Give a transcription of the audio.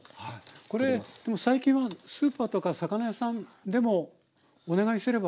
これ最近はスーパーとか魚屋さんでもお願いすれば。